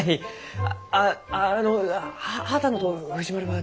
ああの波多野と藤丸は。